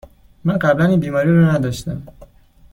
من قبلاً این بیماری را نداشتم.